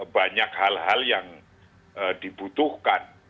banyak hal hal yang dibutuhkan